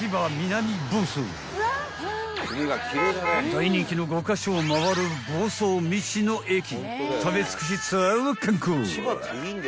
［大人気の５カ所を回る房総道の駅食べ尽くしツアーを敢行］